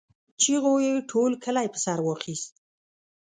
چيغو يې ټول کلی په سر واخيست.